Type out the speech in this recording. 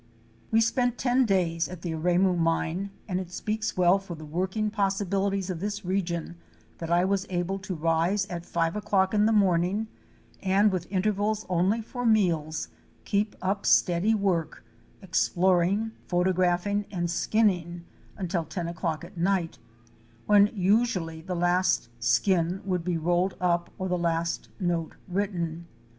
295 We spent ten days at the Aremu Mine, and it speaks well for the working possibilities of this region that I was able to rise at five o'clock in the morning and with intervals only for meals, keep up steady work — exploring, photographing and skinning until ten o'clock at night, when usually the last skin would be rolled up or the last note written.